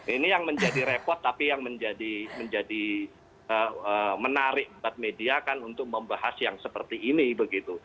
ini yang menjadi repot tapi yang menjadi menarik buat media kan untuk membahas yang seperti ini begitu